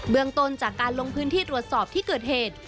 เมืองต้นจากการลงพื้นที่ตรวจสอบที่เกิดเหตุ